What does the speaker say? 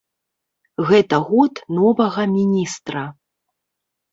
Гэта год новага міністра.